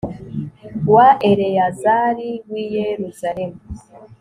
wa eleyazari w'i yeruzalemu